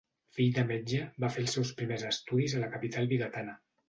Fill de metge, va fer els seus primers estudis a la capital vigatana.